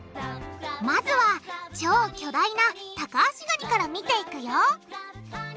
まずは超巨大なタカアシガニから見ていくよ。